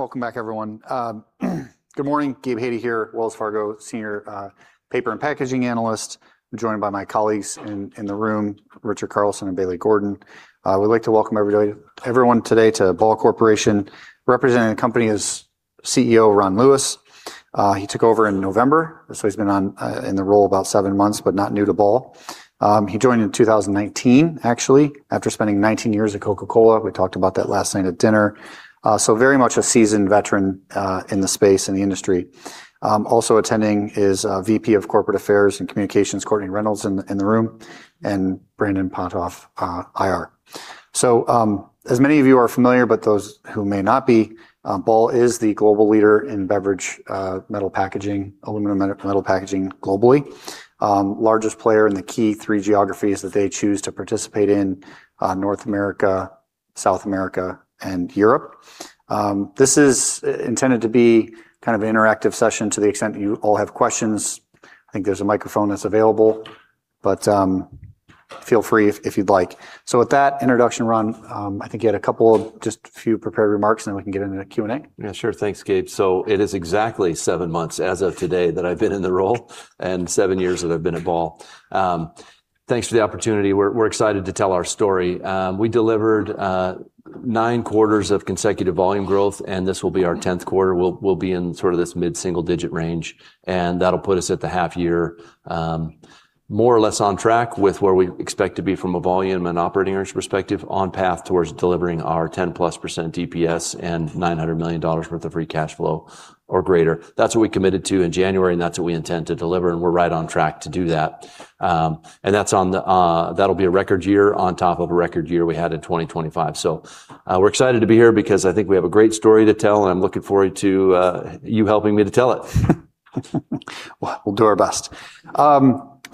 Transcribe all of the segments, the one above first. Welcome back, everyone. Good morning. Gabe Hajde here, Wells Fargo Senior Paper and Packaging Analyst. I'm joined by my colleagues in the room, Richard Carlson and Bailey Gordon. We'd like to welcome everyone today to Ball Corporation. Representing the company is CEO Ron Lewis. He took over in November, so he's been in the role about seven months, but not new to Ball. He joined in 2019, actually, after spending 19 years at Coca-Cola. We talked about that last night at dinner. Very much a seasoned veteran in the space and the industry. Also attending is VP of Corporate Affairs and Communications, Courtney Reynolds, in the room, and Brandon Potthoff, IR. As many of you are familiar, but those who may not be, Ball is the global leader in beverage metal packaging, aluminum metal packaging globally. Largest player in the key three geographies that they choose to participate in, North America, South America, and Europe. This is intended to be kind of an interactive session to the extent that you all have questions. I think there's a microphone that's available. Feel free if you'd like. With that introduction, Ron, I think you had a couple of just a few prepared remarks, and then we can get into Q&A. Sure. Thanks, Gabe. It is exactly seven months as of today that I've been in the role, and seven years that I've been at Ball. Thanks for the opportunity. We're excited to tell our story. We delivered nine quarters of consecutive volume growth, and this will be our 10th quarter. We'll be in sort of this mid-single digit range, and that'll put us at the half year, more or less on track with where we expect to be from a volume and operating earnings perspective on path towards delivering our 10+% DPS and $900 million worth of free cash flow or greater. That's what we committed to in January, and that's what we intend to deliver, and we're right on track to do that. That'll be a record year on top of a record year we had in 2025. We're excited to be here because I think we have a great story to tell, and I'm looking forward to you helping me to tell it. We'll do our best.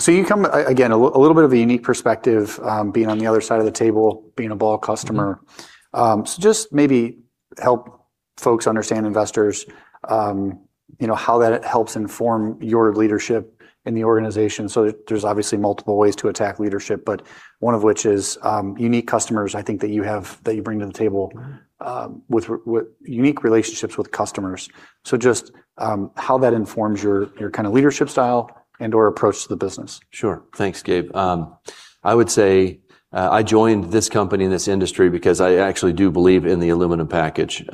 You come, again, a little bit of a unique perspective, being on the other side of the table, being a Ball customer. Just maybe help folks understand, investors, how that helps inform your leadership in the organization. There's obviously multiple ways to attack leadership, but one of which is unique customers I think that you have, that you bring to the table. With unique relationships with customers. Just how that informs your kind of leadership style and/or approach to the business. Sure. Thanks, Gabe. I would say I joined this company and this industry because I actually do believe in the aluminum package.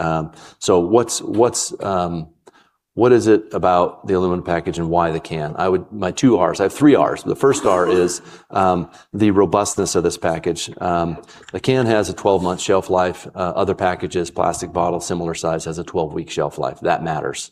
What is it about the aluminum package and why the can? My two Rs. I have three Rs. The first R is the robustness of this package. The can has a 12-month shelf life. Other packages, plastic bottles, similar size, has a 12-week shelf life. That matters.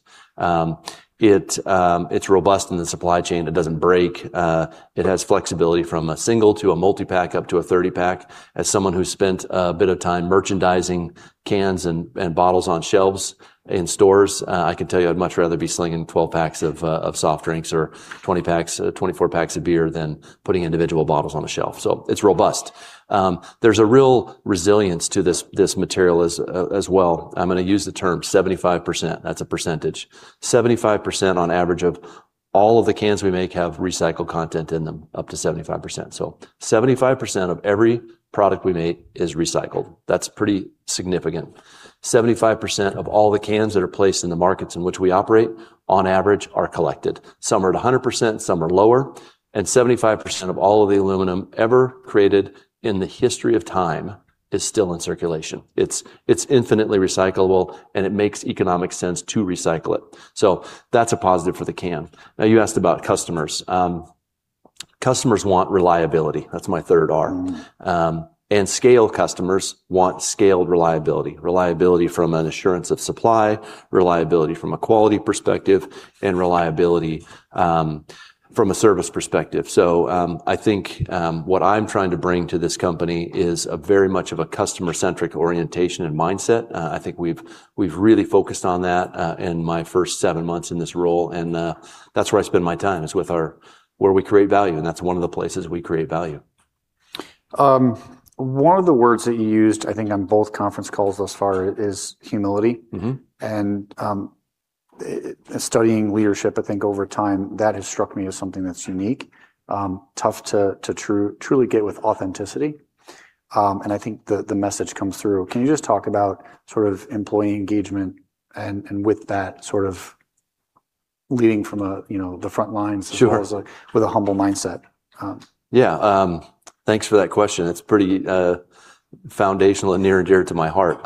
It's robust in the supply chain. It doesn't break. It has flexibility from a single to a multi-pack up to a 30-pack. As someone who's spent a bit of time merchandising cans and bottles on shelves in stores, I can tell you I'd much rather be slinging 12-packs of soft drinks or 24-packs of beer than putting individual bottles on a shelf. It's robust. There's a real resilience to this material as well. I'm going to use the term 75%. That's a percentage. 75% on average of all of the cans we make have recycled content in them, up to 75%. 75% of every product we make is recycled. That's pretty significant. 75% of all the cans that are placed in the markets in which we operate, on average, are collected. Some are at 100%, some are lower, and 75% of all of the aluminum ever created in the history of time is still in circulation. It's infinitely recyclable, and it makes economic sense to recycle it. That's a positive for the can. You asked about customers. Customers want reliability. That's my third R. Scale customers want scaled reliability. Reliability from an assurance of supply, reliability from a quality perspective, and reliability from a service perspective. I think what I'm trying to bring to this company is very much of a customer-centric orientation and mindset. I think we've really focused on that in my first seven months in this role, and that's where I spend my time is with our, where we create value, and that's one of the places we create value. One of the words that you used, I think on both conference calls thus far, is humility. Studying leadership, I think over time, that has struck me as something that's unique, tough to truly get with authenticity. I think the message comes through. Can you just talk about sort of employee engagement and with that sort of leading from the front lines? Sure as opposed, like, with a humble mindset? Yeah. Thanks for that question. It's pretty foundational and near and dear to my heart.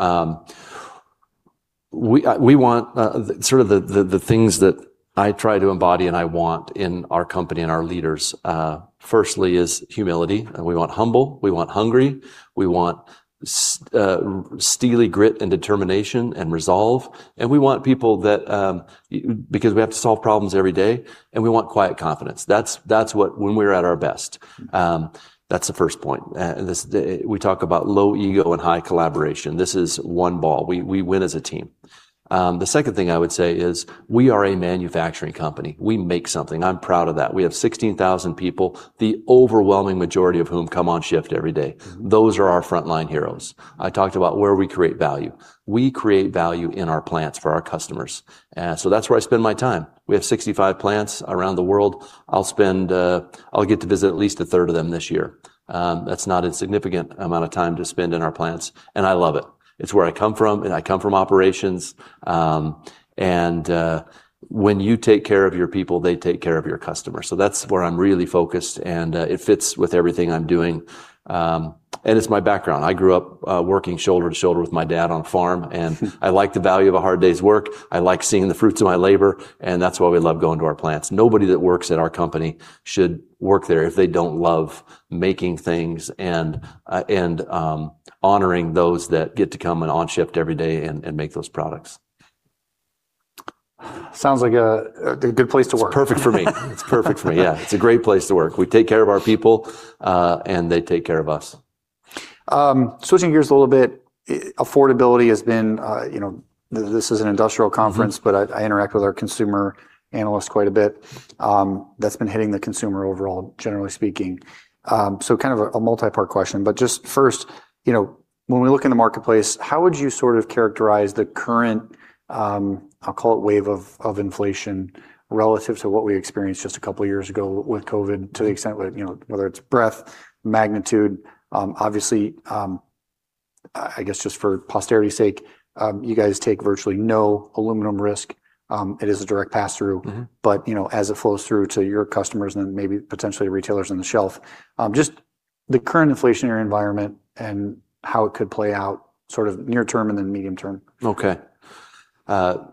Sort of the things that I try to embody and I want in our company and our leaders, firstly, is humility. We want humble, we want hungry, we want steely grit and determination and resolve, we want people that, because we have to solve problems every day, and we want quiet confidence. That's when we are at our best. That's the first point. We talk about low ego and high collaboration. This is One Ball. We win as a team. The second thing I would say is we are a manufacturing company. We make something. I'm proud of that. We have 16,000 people, the overwhelming majority of whom come on shift every day. Those are our frontline heroes. I talked about where we create value. We create value in our plants for our customers. That's where I spend my time. We have 65 plants around the world. I'll get to visit at least a third of them this year. That's not insignificant amount of time to spend in our plants, I love it. It's where I come from, I come from operations. When you take care of your people, they take care of your customers. That's where I'm really focused, it fits with everything I'm doing. It's my background. I grew up working shoulder to shoulder with my dad on a farm, I like the value of a hard day's work. I like seeing the fruits of my labor, that's why we love going to our plants. Nobody that works at our company should work there if they don't love making things and honoring those that get to come in on shift every day and make those products. Sounds like a good place to work. It's perfect for me. It's perfect for me, yeah. It's a great place to work. We take care of our people, and they take care of us. Switching gears a little bit, affordability has been, this is an industrial conference, I interact with our consumer analysts quite a bit. That's been hitting the consumer overall, generally speaking. Kind of a multi-part question. Just first, when we look in the marketplace, how would you characterize the current, I'll call it wave of inflation relative to what we experienced just a couple of years ago with COVID, to the extent whether it's breadth, magnitude? Obviously, I guess just for posterity's sake, you guys take virtually no aluminum risk. It is a direct pass-through. As it flows through to your customers and then maybe potentially retailers on the shelf, just the current inflationary environment and how it could play out near term and then medium term. Okay.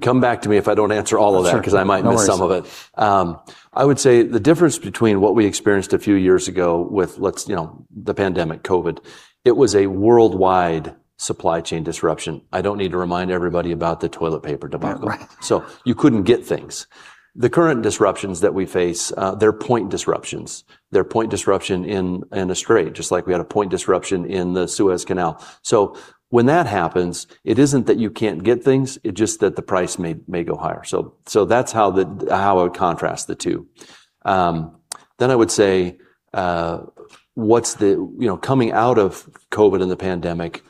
Come back to me if I don't answer all of that. Sure. No worries. I might miss some of it. I would say the difference between what we experienced a few years ago with the pandemic, COVID, it was a worldwide supply chain disruption. I don't need to remind everybody about the toilet paper debacle. Right. You couldn't get things. The current disruptions that we face, they're point disruptions. They're point disruption in a strait, just like we had a point disruption in the Suez Canal. When that happens, it isn't that you can't get things, it's just that the price may go higher. That's how I would contrast the two. I would say coming out of COVID and the pandemic,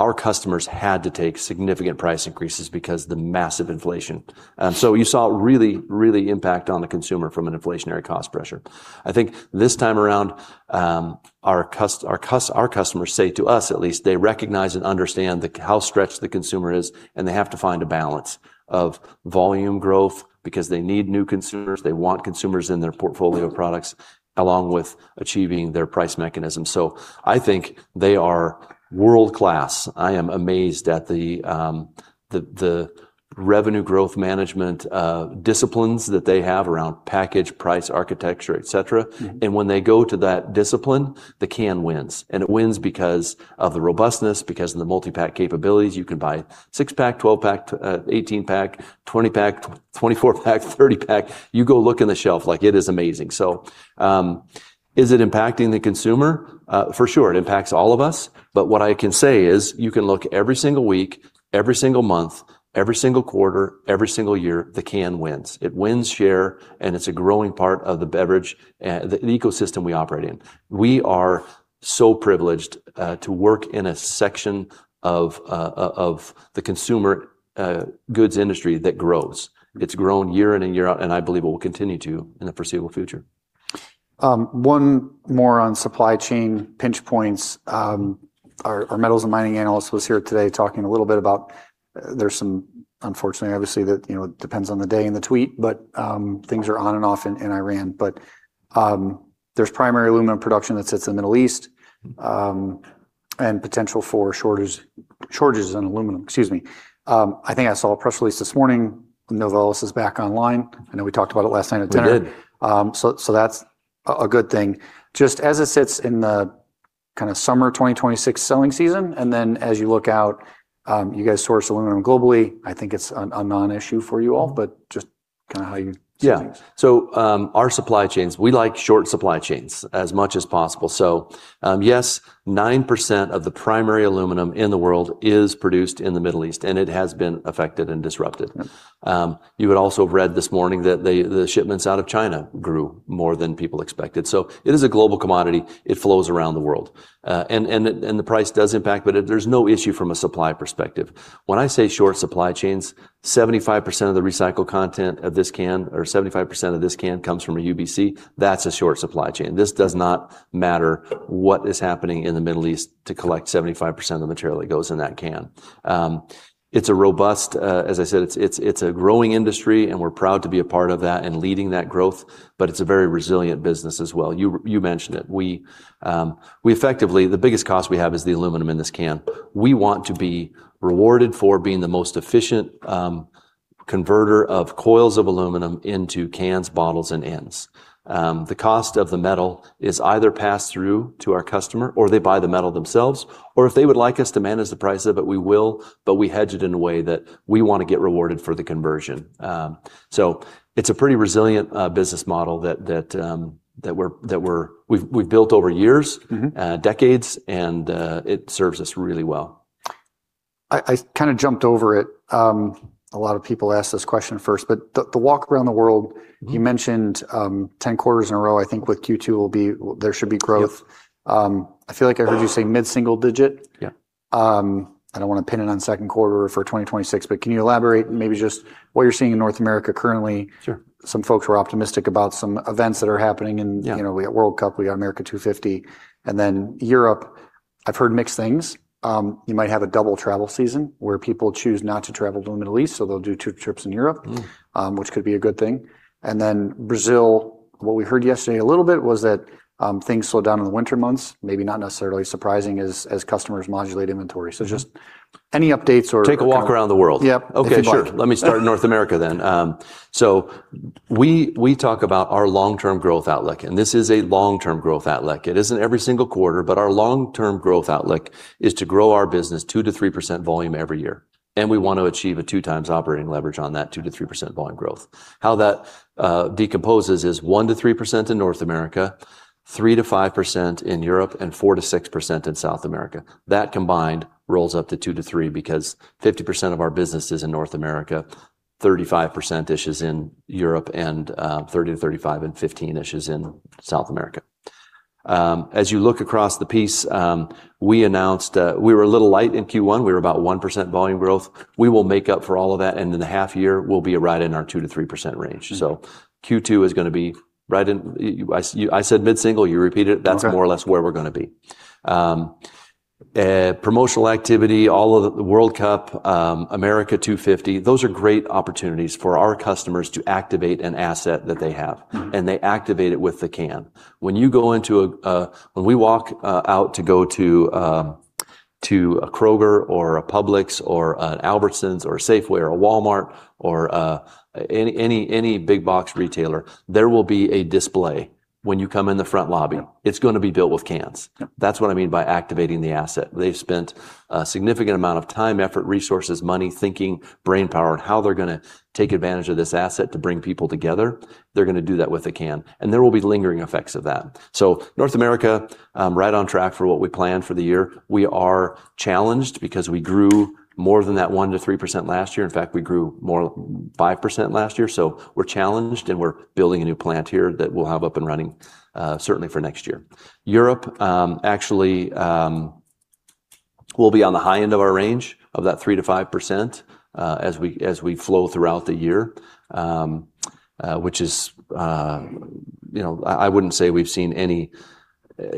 our customers had to take significant price increases because the massive inflation. You saw really, really impact on the consumer from an inflationary cost pressure. I think this time around, our customers say to us at least, they recognize and understand how stretched the consumer is, and they have to find a balance of volume growth because they need new consumers. They want consumers in their portfolio products, along with achieving their price mechanism. I think they are world-class. I am amazed at the Revenue Growth Management disciplines that they have around package, price, architecture, et cetera. When they go to that discipline, the can wins. It wins because of the robustness, because of the multi-pack capabilities. You can buy six-pack, 12-pack, 18-pack, 20-pack, 24-pack, 30-pack. You go look in the shelf, it is amazing. Is it impacting the consumer? For sure, it impacts all of us. What I can say is you can look every single week, every single month, every single quarter, every single year, the can wins. It wins share, and it's a growing part of the beverage, the ecosystem we operate in. We are so privileged to work in a section of the consumer goods industry that grows. It's grown year in and year out, and I believe it will continue to in the foreseeable future. One more on supply chain pinch points. Our metals and mining analyst was here today talking a little bit about, there's some, unfortunately, obviously that depends on the day and the tweet, but things are on and off in Iran. There's primary aluminum production that sits in Middle East, and potential for shortages in aluminum. Excuse me. I think I saw a press release this morning. Novelis is back online. I know we talked about it last night at dinner. We did. That's a good thing. Just as it sits in the summer 2026 selling season, as you look out, you guys source aluminum globally. I think it's a non-issue for you all, but just how you see things. Yeah. Our supply chains, we like short supply chains as much as possible. Yes, 9% of the primary aluminum in the world is produced in the Middle East, it has been affected and disrupted. Yeah. You would also have read this morning that the shipments out of China grew more than people expected. It is a global commodity. It flows around the world. The price does impact, but there's no issue from a supply perspective. When I say short supply chains, 75% of the recycled content of this can or 75% of this can comes from a UBC. That's a short supply chain. This does not matter what is happening in the Middle East to collect 75% of the material that goes in that can. It's a robust, as I said, it's a growing industry, and we're proud to be a part of that and leading that growth, but it's a very resilient business as well. You mentioned it. The biggest cost we have is the aluminum in this can. We want to be rewarded for being the most efficient converter of coils of aluminum into cans, bottles and ends. The cost of the metal is either passed through to our customer, or they buy the metal themselves, or if they would like us to manage the price of it, we will, but we hedge it in a way that we want to get rewarded for the conversion. It's a pretty resilient business model that we've built over years, decades, and it serves us really well. I kind of jumped over it. A lot of people asked this question first, the walk around the world- you mentioned 10 quarters in a row. I think with Q2 there should be growth. Yep. I feel like I heard you say mid-single digit? Yeah. I don't want to pin it on second quarter for 2026, can you elaborate maybe just what you're seeing in North America currently? Sure. Some folks were optimistic about some events that are happening. Yeah. We got World Cup, we got America 250. Europe, I've heard mixed things. You might have a double travel season, where people choose not to travel to the Middle East, so they'll do two trips in Europe. Which could be a good thing. Brazil, what we heard yesterday a little bit was that things slow down in the winter months, maybe not necessarily surprising as customers modulate inventory. Just any updates or kind of. Take a walk around the world. If you'd like. Okay, sure. Let me start in North America then. We talk about our long-term growth outlook, and this is a long-term growth outlook. It isn't every single quarter, but our long-term growth outlook is to grow our business 2%-3% volume every year, and we want to achieve a two times operating leverage on that 2%-3% volume growth. How that decomposes is 1%-3% in North America, 3%-5% in Europe, and 4%-6% in South America. That combined rolls up to 2%-3% because 50% of our business is in North America, 35%-ish is in Europe, and 15%-ish is in South America. You look across the piece, we announced we were a little light in Q1. We were about 1% volume growth. We will make up for all of that, and in the half year, we'll be right in our 2%-3% range. Q2 is going to be I said mid-single. You repeated it. That's more or less where we're going to be. Promotional activity, all of the World Cup, America 250, those are great opportunities for our customers to activate an asset that they have. They activate it with the can. When we walk out to go to a Kroger or a Publix or an Albertsons or a Safeway or a Walmart or any big box retailer, there will be a display when you come in the front lobby. It's going to be built with cans. That's what I mean by activating the asset. They've spent a significant amount of time, effort, resources, money, thinking, brain power, on how they're going to take advantage of this asset to bring people together. They're going to do that with a can, and there will be lingering effects of that. North America, right on track for what we planned for the year. We are challenged because we grew more than that 1%-3% last year. In fact, we grew more, 5% last year. We're challenged, and we're building a new plant here that we'll have up and running certainly for next year. Europe actually will be on the high end of our range, of that 3%-5% as we flow throughout the year, which I wouldn't say we've seen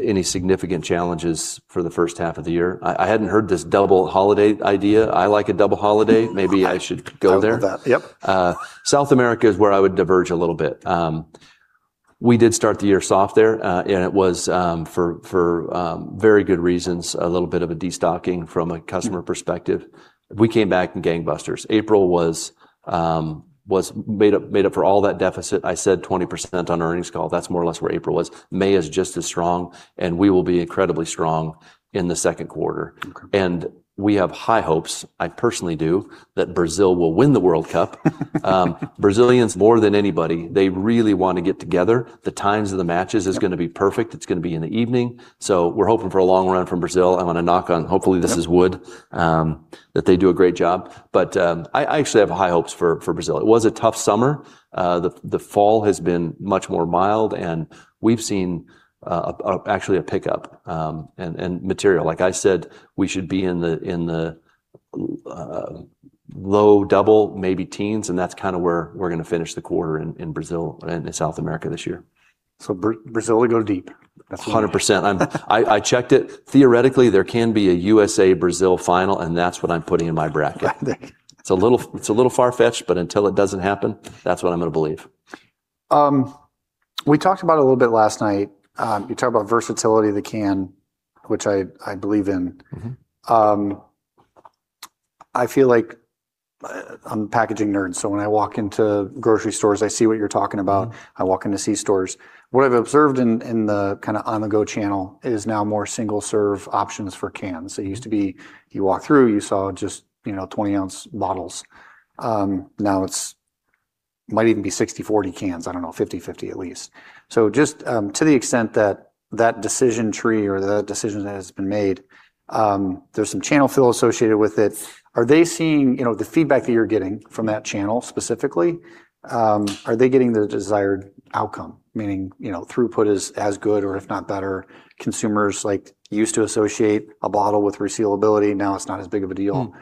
any significant challenges for the first half of the year. I hadn't heard this double holiday idea. I like a double holiday. Maybe I should go there. I love that. South America is where I would diverge a little bit. We did start the year soft there, it was, for very good reasons, a little bit of a destocking from a customer perspective. We came back gangbusters. April made up for all that deficit. I said 20% on earnings call. That's more or less where April was. May is just as strong, and we will be incredibly strong in the second quarter. We have high hopes, I personally do, that Brazil will win the World Cup. Brazilians, more than anybody, they really want to get together. The times of the matches is going to be perfect. It's going to be in the evening. We're hoping for a long run from Brazil. I want to knock on, hopefully this is wood. That they do a great job. I actually have high hopes for Brazil. It was a tough summer. The fall has been much more mild, and we've seen actually a pickup and material. Like I said, we should be in the low double, maybe teens, and that's kind of where we're going to finish the quarter in Brazil and in South America this year. Brazil will go deep. That's funny. 100%. I checked it. Theoretically, there can be a USA-Brazil final, and that's what I'm putting in my bracket. It's a little far-fetched, but until it doesn't happen, that's what I'm going to believe. We talked about it a little bit last night. You talked about versatility of the can, which I believe in. I feel like I'm a packaging nerd, so when I walk into grocery stores, I see what you're talking about. I walk into C stores. What I've observed in the kind of on-the-go channel is now more single-serve options for cans. It used to be you walk through, you saw just 20-ounce bottles. Now it might even be 60/40 cans. I don't know, 50/50 at least. Just to the extent that that decision tree or the decision that has been made, there's some channel fill associated with it. The feedback that you're getting from that channel specifically, are they getting the desired outcome, meaning throughput is as good or if not better. Consumers used to associate a bottle with resealability. Now it's not as big of a deal.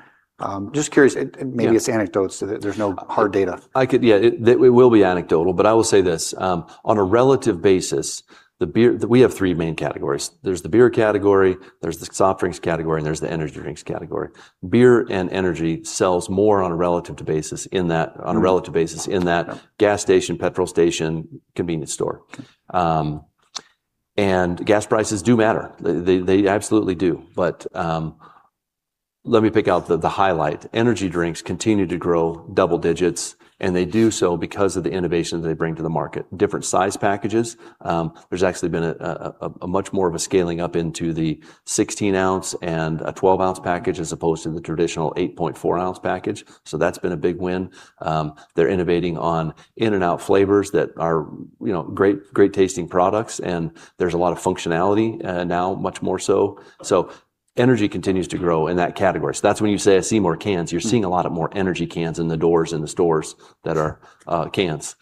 Just curious. Maybe it's anecdotes. There's no hard data. Yeah, it will be anecdotal. I will say this. On a relative basis, we have three main categories. There's the beer category, there's the soft drinks category, and there's the energy drinks category. Beer and energy sells more on a relative basis in that gas station, petrol station, convenience store. Gas prices do matter. They absolutely do. Let me pick out the highlight. Energy drinks continue to grow double digits, and they do so because of the innovations they bring to the market. Different size packages. There's actually been a much more of a scaling up into the 16 ounce and a 12-ounce package as opposed to the traditional 8.4-ounce package. That's been a big win. They're innovating on in and out flavors that are great-tasting products, and there's a lot of functionality now, much more so. Energy continues to grow in that category. That's when you say, I see more cans. You're seeing a lot of more energy cans in the doors in the stores that are cans.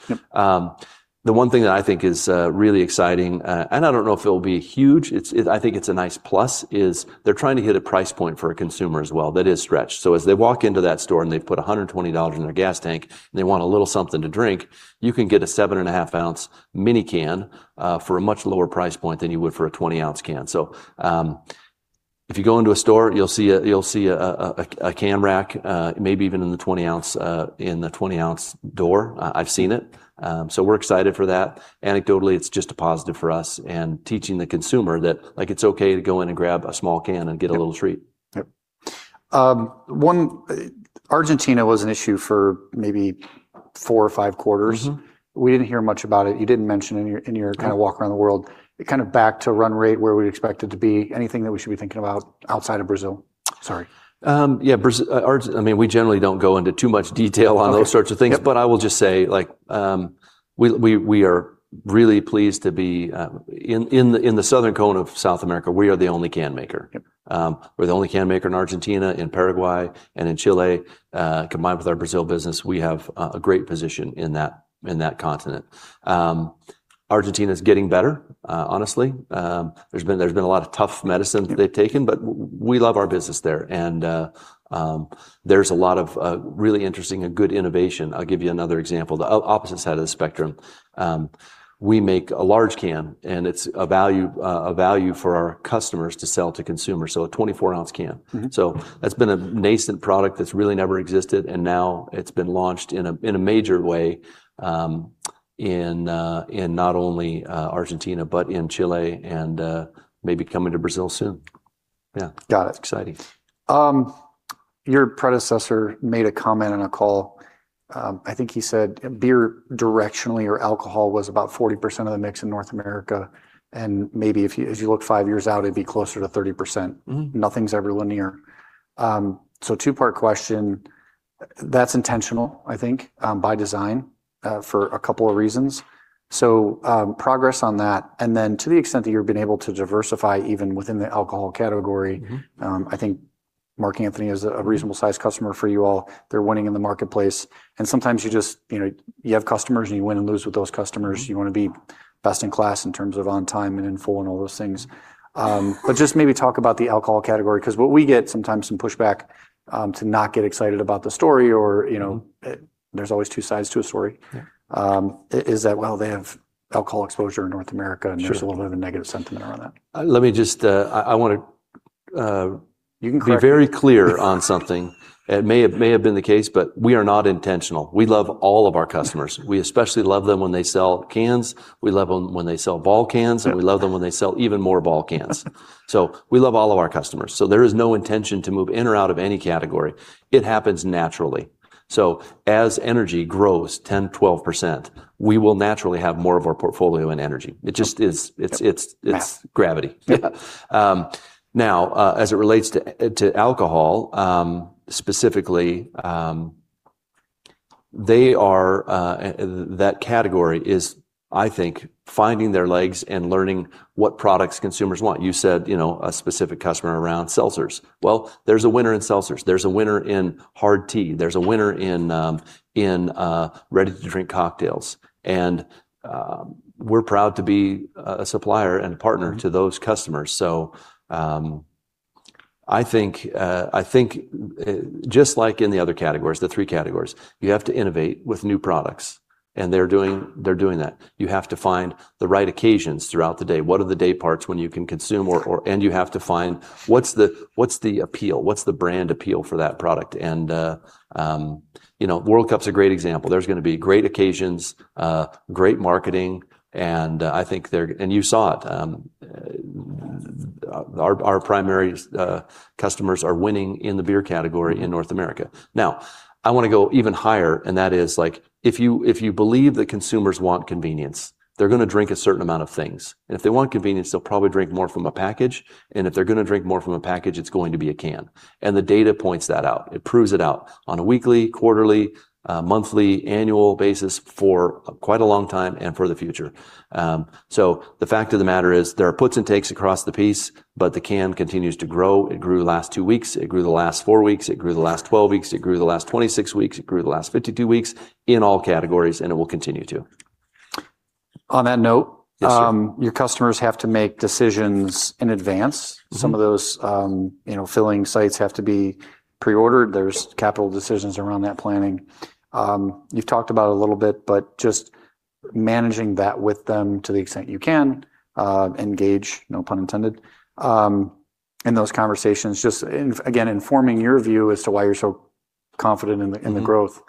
The one thing that I think is really exciting, and I don't know if it'll be huge, I think it's a nice plus, is they're trying to hit a price point for a consumer as well that is stretched. As they walk into that store and they've put $120 in their gas tank and they want a little something to drink, you can get a seven and a half ounce mini can for a much lower price point than you would for a 20-ounce can. If you go into a store, you'll see a can rack, maybe even in the 20 ounce door. I've seen it. We're excited for that. Anecdotally, it's just a positive for us and teaching the consumer that it's okay to go in and grab a small can and get a little treat. Yep. Argentina was an issue for maybe four or five quarters. We didn't hear much about it. You didn't mention in your kind of walk around the world. It kind of back to run rate where we expect it to be. Anything that we should be thinking about outside of Brazil? Sorry. Yeah. We generally don't go into too much detail on those sorts of things. I will just say, we are really pleased to be, in the Southern Cone of South America, we are the only can maker. We're the only can maker in Argentina, in Paraguay, and in Chile. Combined with our Brazil business, we have a great position in that continent. Argentina's getting better. Honestly, there's been a lot of tough medicine they've taken, but we love our business there and there's a lot of really interesting and good innovation. I'll give you another example, the opposite side of the spectrum. We make a large can and it's a value for our customers to sell to consumers, so a 24 ounce can. That's been a nascent product that's really never existed, and now it's been launched in a major way, in not only Argentina, but in Chile and maybe coming to Brazil soon. Yeah. Got it. Exciting. Your predecessor made a comment on a call. I think he said beer directionally or alcohol was about 40% of the mix in North America, and maybe if you look five years out, it'd be closer to 30%. Nothing's ever linear. Two-part question. That's intentional, I think, by design, for a couple of reasons. Progress on that, and then to the extent that you've been able to diversify even within the alcohol category. I think Mark Anthony is a reasonable size customer for you all. They're winning in the marketplace, sometimes you have customers and you win and lose with those customers. You want to be best in class in terms of on time and in full and all those things. Just maybe talk about the alcohol category, because what we get sometimes some pushback, to not get excited about the story or there's always two sides to a story. Is that, well, they have alcohol exposure in North America. There's a little bit of a negative sentiment around that. I want to be very clear on something. It may have been the case, but we are not intentional. We love all of our customers. We especially love them when they sell cans, we love them when they sell Ball cans, and we love them when they sell even more Ball cans. We love all of our customers. There is no intention to move in or out of any category. It happens naturally. As energy grows 10%, 12%, we will naturally have more of our portfolio in energy. It's gravity. As it relates to alcohol, specifically, that category is, I think, finding their legs and learning what products consumers want. You said a specific customer around seltzers. There's a winner in seltzers. There's a winner in hard tea. There's a winner in ready-to-drink cocktails. We're proud to be a supplier and a partner to those customers. I think just like in the other categories, the three categories, you have to innovate with new products, and they're doing that. You have to find the right occasions throughout the day. What are the day parts when you can consume, and you have to find what's the appeal, what's the brand appeal for that product? World Cup's a great example. There's going to be great occasions, great marketing, and you saw it. Our primary customers are winning in the beer category in North America. I want to go even higher, and that is if you believe that consumers want convenience, they're going to drink a certain amount of things, and if they want convenience, they'll probably drink more from a package. If they're going to drink more from a package, it's going to be a can. The data points that out. It proves it out on a weekly, quarterly, monthly, annual basis for quite a long time and for the future. The fact of the matter is there are puts and takes across the piece, but the can continues to grow. It grew the last two weeks. It grew the last four weeks. It grew the last 12 weeks. It grew the last 26 weeks. It grew the last 52 weeks in all categories, and it will continue to. On that note. Yes. Your customers have to make decisions in advance. Some of those filling sites have to be pre-ordered. There's capital decisions around that planning. You've talked about it a little bit, but just managing that with them to the extent you can, engage, no pun intended, in those conversations. Just again, informing your view as to why you're so confident in the growth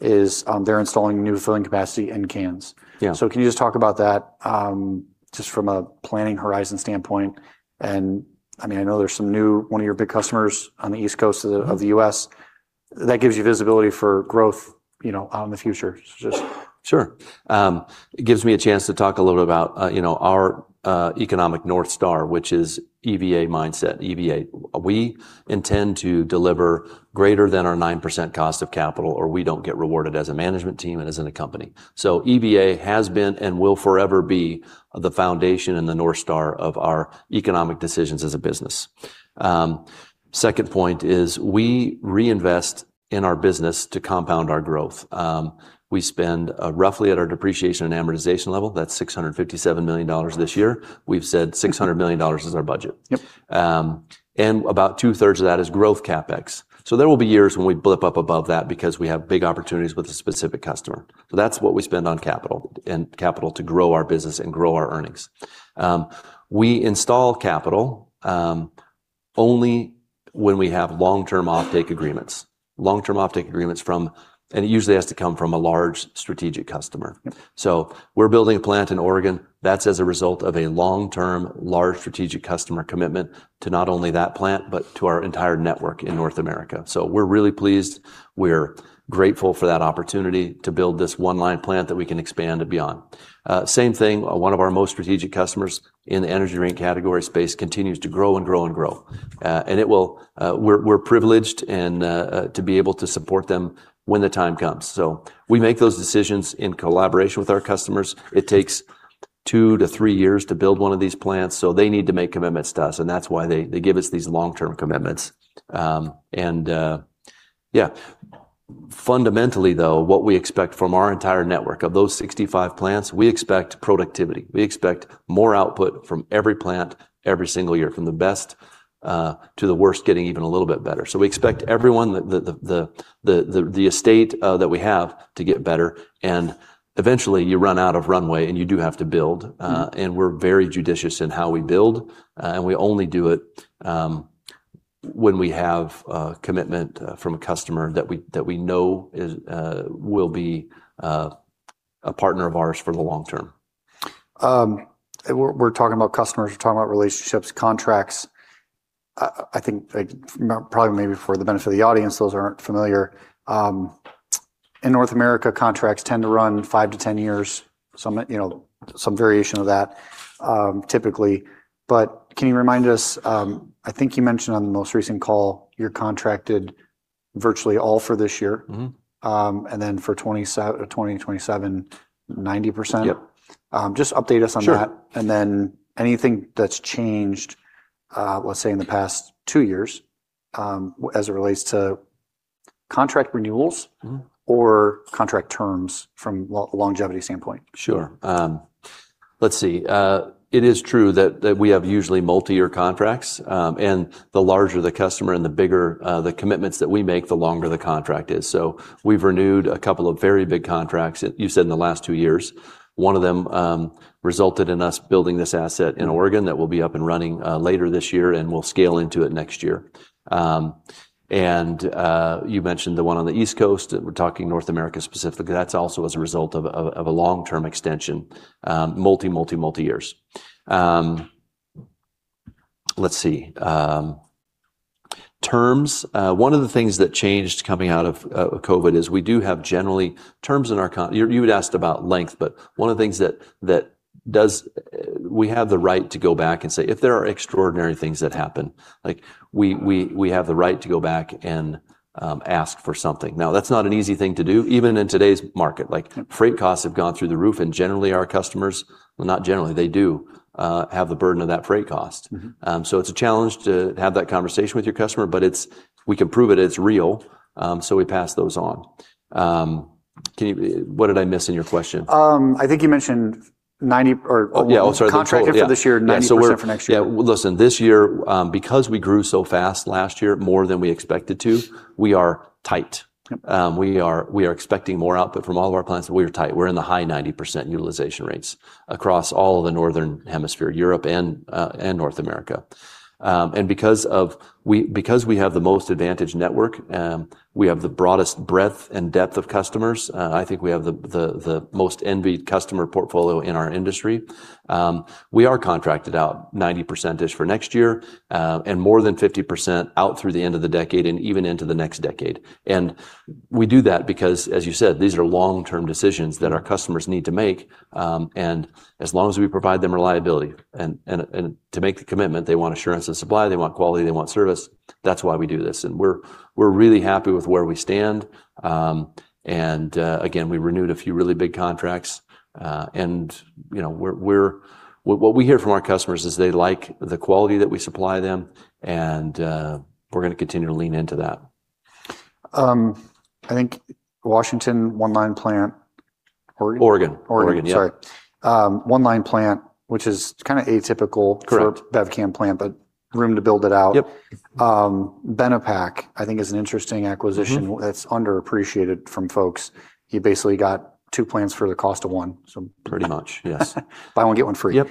is they're installing new filling capacity in cans Can you just talk about that, just from a planning horizon standpoint and I know one of your big customers on the East Coast of the U.S. That gives you visibility for growth out in the future. Sure. It gives me a chance to talk a little bit about our economic North Star, which is EVA mindset. EVA. We intend to deliver greater than our 9% cost of capital, or we don't get rewarded as a management team and as a company. EVA has been and will forever be the foundation and the North Star of our economic decisions as a business. Second point is we reinvest in our business to compound our growth. We spend roughly at our depreciation and amortization level. That's $657 million this year. We've said $600 million is our budget. About 2/3 of that is growth CapEx. There will be years when we blip up above that because we have big opportunities with a specific customer. That's what we spend on capital, and capital to grow our business and grow our earnings. We install capital only when we have long-term offtake agreements, and it usually has to come from a large strategic customer. We're building a plant in Oregon. That's as a result of a long-term, large strategic customer commitment to not only that plant, but to our entire network in North America. We're really pleased. We're grateful for that opportunity to build this one-line plant that we can expand and beyond. Same thing, one of our most strategic customers in the energy drink category space continues to grow and grow and grow. We're privileged to be able to support them when the time comes. We make those decisions in collaboration with our customers. It takes two to three years to build one of these plants, so they need to make commitments to us, and that's why they give us these long-term commitments. Yeah. Fundamentally, though, what we expect from our entire network of those 65 plants, we expect productivity. We expect more output from every plant every single year, from the best to the worst, getting even a little bit better. We expect everyone, the estate that we have, to get better, and eventually you run out of runway and you do have to build. We're very judicious in how we build, and we only do it when we have commitment from a customer that we know will be a partner of ours for the long term. We're talking about customers, we're talking about relationships, contracts. I think probably maybe for the benefit of the audience, those who aren't familiar, in North America, contracts tend to run 5 to 10 years. Some variation of that, typically. Can you remind us, I think you mentioned on the most recent call, you're contracted virtually all for this year. Then for 2027, 90%? Just update us on that. Anything that's changed, let's say in the past two years, as it relates to contract renewals or contract terms from a longevity standpoint. Sure. Let's see. It is true that we have usually multi-year contracts, and the larger the customer and the bigger the commitments that we make, the longer the contract is. We've renewed a couple of very big contracts, you said in the last two years. One of them resulted in us building this asset in Oregon that will be up and running later this year, and we'll scale into it next year. You mentioned the one on the East Coast. We're talking North America specifically. That's also as a result of a long-term extension. Multi years. Let's see. Terms. One of the things that changed coming out of COVID is we do have generally terms in our con-- You had asked about length. We have the right to go back and say, If there are extraordinary things that happen, we have the right to go back and ask for something. That's not an easy thing to do, even in today's market. Freight costs have gone through the roof, and generally, our customers, well, not generally, they do have the burden of that freight cost. It's a challenge to have that conversation with your customer, but we can prove it. It's real, so we pass those on. What did I miss in your question? I think you mentioned 90%. Yeah. Sorry. contracted for this year. Yeah 90% for next year. Yeah. Listen, this year, because we grew so fast last year, more than we expected to, we are tight. Yep. We are expecting more output from all of our plants, but we are tight. We're in the high 90% utilization rates across all of the Northern Hemisphere, Europe and North America. Because we have the most advantaged network, we have the broadest breadth and depth of customers. I think we have the most envied customer portfolio in our industry. We are contracted out 90%-ish for next year, and more than 50% out through the end of the decade and even into the next decade. We do that because, as you said, these are long-term decisions that our customers need to make. As long as we provide them reliability, and to make the commitment, they want assurance of supply, they want quality, they want service. That's why we do this. We're really happy with where we stand. Again, we renewed a few really big contracts. What we hear from our customers is they like the quality that we supply them, and we're going to continue to lean into that. I think Washington, 1 line plant. Oregon? Oregon. Oregon. Oregon. Yep. Sorry. 1 line plant, which is kind of atypical- Correct For a bevcan plant, room to build it out. Benepack, I think is an interesting acquisition. that's underappreciated from folks. You basically got two plants for the cost of one. Pretty much, yes. Buy one, get one free. Yep.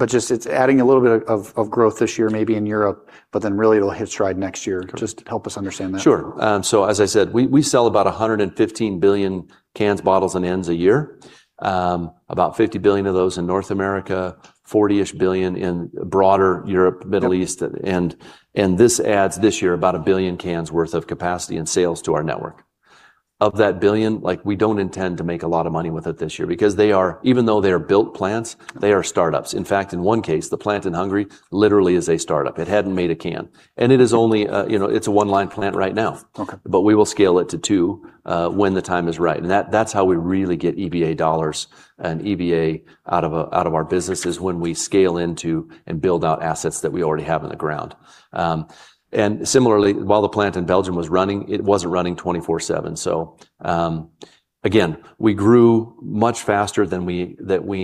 It's adding a little bit of growth this year, maybe in Europe, but then really it'll hit stride next year. Correct. Just help us understand that. Sure. As I said, we sell about 115 billion cans, bottles, and ends a year. About 50 billion of those in North America. 40-ish billion in broader Europe, Middle East. This adds, this year, about 1 billion cans worth of capacity and sales to our network. Of that 1 billion, we don't intend to make a lot of money with it this year, because even though they are built plants, they are startups. In fact, in one case, the plant in Hungary literally is a startup. It hadn't made a can. And it is only a one-line plant right now. We will scale it to two when the time is right, and that's how we really get EVA dollars and EVA out of our business, is when we scale into and build out assets that we already have in the ground. Similarly, while the plant in Belgium was running, it wasn't running 24/7. Again, we grew much faster than we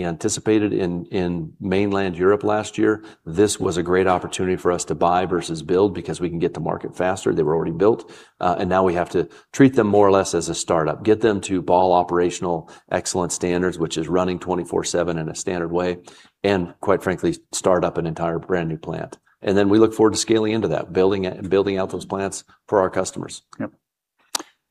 anticipated in mainland Europe last year. This was a great opportunity for us to buy versus build because we can get to market faster. They were already built. Now we have to treat them more or less as a startup, get them to Ball Operational Excellence standards, which is running 24/7 in a standard way, and quite frankly, start up an entire brand new plant. Then we look forward to scaling into that, building out those plants for our customers. Yep.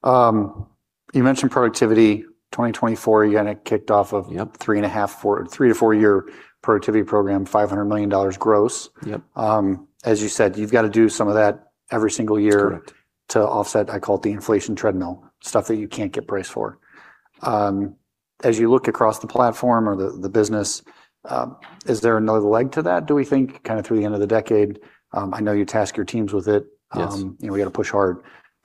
You mentioned productivity, 2024, you got it kicked off three, four-year productivity program, $500 million gross. As you said, you've got to do some of that every single year. Correct to offset, I call it the inflation treadmill, stuff that you can't get priced for. As you look across the platform or the business, is there another leg to that, do we think, kind of through the end of the decade? I know you task your teams with it. We got to push hard.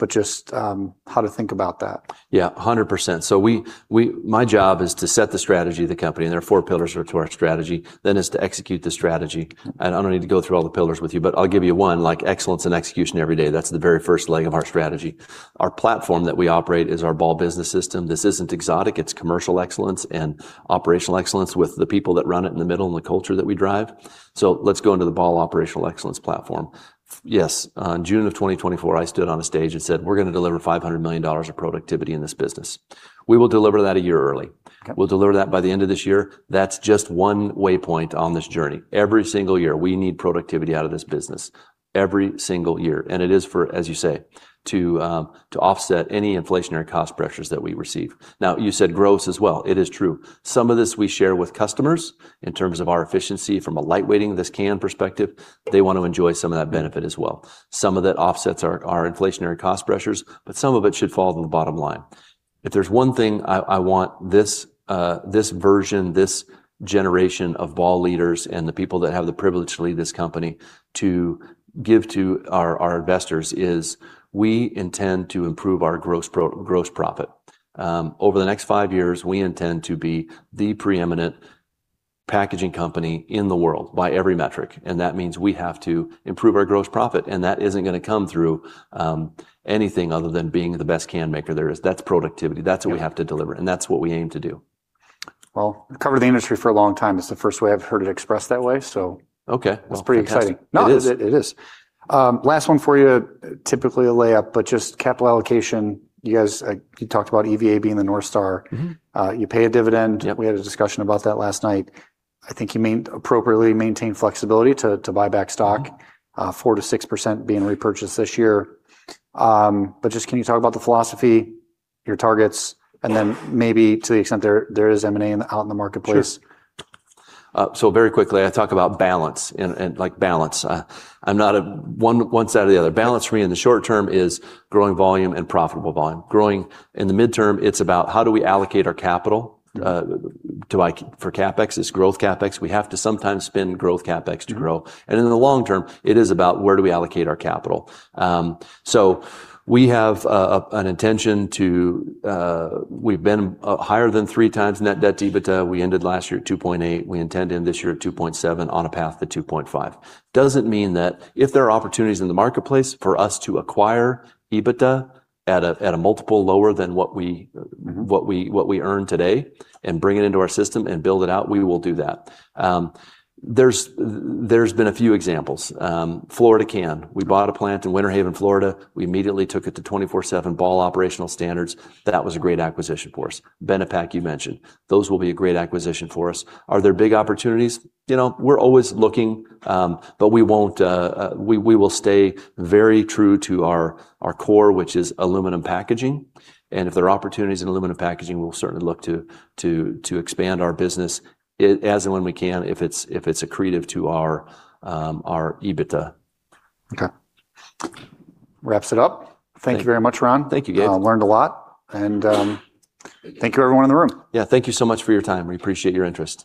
Just how to think about that. Yeah, 100%. My job is to set the strategy of the company, there are four pillars to our strategy. It's to execute the strategy. I don't need to go through all the pillars with you, but I'll give you one, excellence in execution every day. That's the very first leg of our strategy. Our platform that we operate is our Ball Business System. This isn't exotic. It's commercial excellence and operational excellence with the people that run it in the middle and the culture that we drive. Let's go into the Ball Operational Excellence platform. Yes. On June of 2024, I stood on a stage and said, we're going to deliver $500 million of productivity in this business. We will deliver that a year early. We'll deliver that by the end of this year. That's just one waypoint on this journey. Every single year, we need productivity out of this business, every single year. It is for, as you say, to offset any inflationary cost pressures that we receive. Now, you said gross as well. It is true. Some of this we share with customers in terms of our efficiency from a Lightweighting this can perspective. They want to enjoy some of that benefit as well. Some of that offsets our inflationary cost pressures, but some of it should fall to the bottom line. If there's one thing I want this version, this generation of Ball leaders and the people that have the privilege to lead this company to give to our investors is we intend to improve our gross profit. Over the next five years, we intend to be the preeminent packaging company in the world by every metric. That means we have to improve our gross profit. That isn't going to come through anything other than being the best can maker there is. That's productivity. That's what we have to deliver. That's what we aim to do. Well, I've covered the industry for a long time, it's the first way I've heard it expressed that way. Okay. Well, fantastic. It's pretty exciting. It is. It is. Last one for you, typically a layup. Just capital allocation. You talked about EVA being the North Star. You pay a dividend. We had a discussion about that last night. I think you appropriately maintain flexibility to buy back stock. 4%-6% being repurchased this year. Just can you talk about the philosophy, your targets, and then maybe to the extent there is M&A out in the marketplace? Sure. Very quickly, I talk about balance. I'm not one side or the other. Balance for me in the short term is growing volume and profitable volume. Growing in the midterm, it's about how do we allocate our capital? For CapEx, it's growth CapEx. We have to sometimes spend growth CapEx to grow. In the long term, it is about where do we allocate our capital? We have an intention to We've been higher than 3x net debt to EBITDA. We ended last year at 2.8x. We intend to end this year at 2.7x on a path to 2.5x. Doesn't mean that if there are opportunities in the marketplace for us to acquire EBITDA at a multiple lower than what we earn today and bring it into our system and build it out, we will do that. There's been a few examples. Florida Can. We bought a plant in Winter Haven, Florida. We immediately took it to 24/7 Ball operational standards. That was a great acquisition for us. Benepack, you mentioned. Those will be a great acquisition for us. Are there big opportunities? We're always looking, but we will stay very true to our core, which is aluminum packaging. If there are opportunities in aluminum packaging, we'll certainly look to expand our business as and when we can if it's accretive to our EBITDA. Okay. Wraps it up. Thank you very much, Ron. Thank you, Gabe. I learned a lot. Thank you everyone in the room. Yeah. Thank you so much for your time. We appreciate your interest.